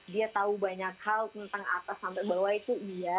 dia tahu banyak hal tentang atas sampai bawah itu iya